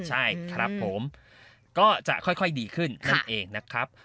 ใช่ครับผมก็จะค่อยดีขึ้นนั่นเองนะครับ